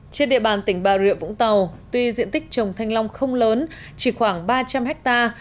trên địa bàn tỉnh bà rịa vũng tàu tuy diện tích trồng thanh long không lớn chỉ khoảng ba trăm linh hectare